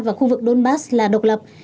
và khu vực donbass là độc lập